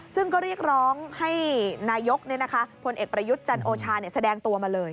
ซึ่งก็เรียกร้องให้นายกพลเอกประยุทธ์จันโอชาแสดงตัวมาเลย